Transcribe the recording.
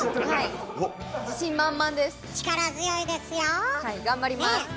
はい頑張ります。